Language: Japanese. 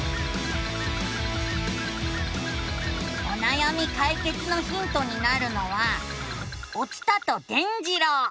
おなやみかいけつのヒントになるのは「お伝と伝じろう」！